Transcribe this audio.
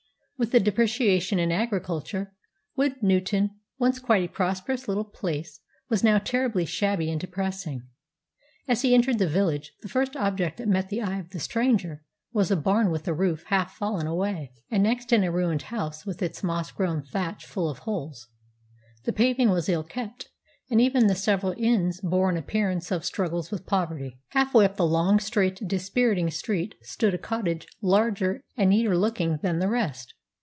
With the depreciation in agriculture, Woodnewton, once quite a prosperous little place, was now terribly shabby and depressing. As he entered the village, the first object that met the eye of the stranger was a barn with the roof half fallen away, and next it a ruined house with its moss grown thatch full of holes. The paving was ill kept, and even the several inns bore an appearance of struggles with poverty. Half way up the long, straight, dispiriting street stood a cottage larger and neater looking than the rest.